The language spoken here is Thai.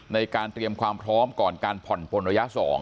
ในการเตรียมความพร้อมก่อนการผ่อนปนระยะ๒